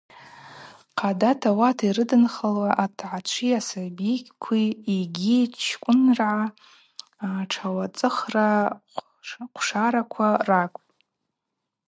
Хъадата ауат йрыдынхалуа Атгӏачви асабикви йгьи Чкӏвынргӏа ртшауацӏыхра хъвшараква ракӏвпӏ.